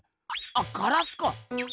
あっガラスか。